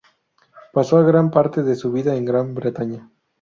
Pasó una gran parte de su vida en Gran Bretaña.